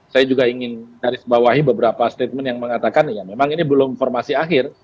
saya juga ingin nyarisbawahi beberapa statement yang mengatakan ya memang ini belum formasi akhir